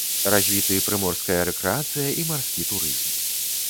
Развіты прыморская рэкрэацыя і марскі турызм.